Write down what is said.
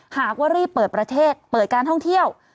หากว่ารีบเปิดประเทศเปิดการท่องเที่ยว